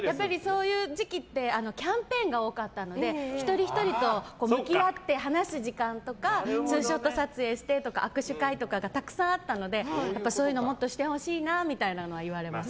そういう時期ってキャンペーンが多かったので一人ひとりと向き合って話す時間とかツーショット撮影して握手会とかたくさんあったのでそういうのをもっとしてほしいというのはあります。